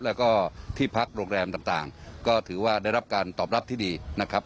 แล้วก็ที่พักโรงแรมต่างก็ถือว่าได้รับการตอบรับที่ดีนะครับ